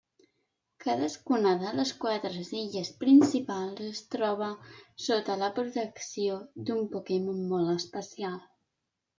Cadascuna de les quatre illes principals es troba sota la protecció d'un Pokémon molt especial.